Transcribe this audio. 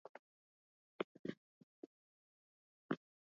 wengine mia nne wamejeruhiwa kwenye tukia hilo mbaya